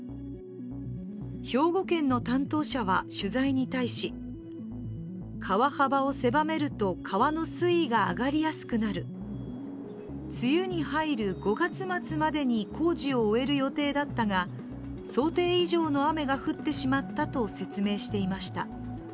兵庫県の担当者は取材に対し川幅を狭めると、川の水位が上がりやすくなる、梅雨に入る５月末までに工事を終える予定だったが想定以上の雨が降ってしまったと説明していました。